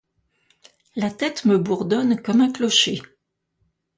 La tête me bourdonne comme un clocher.